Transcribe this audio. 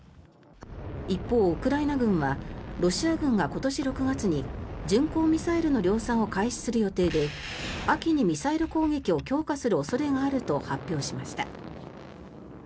一方、ウクライナ軍はロシア軍が今年６月に巡航ミサイルの量産を開始する予定で秋にミサイル攻撃を強化する恐れがあると発表しました。